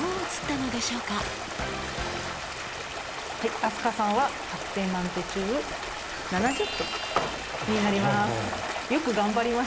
飛鳥さんは１００点満点中７０点になります。